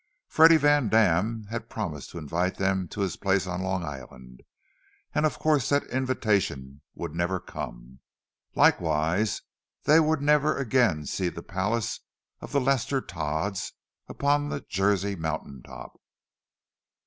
Freddie Vandam had promised to invite them to his place on Long Island, and of course that invitation would never come; likewise they would never again see the palace of the Lester Todds, upon the Jersey mountain top.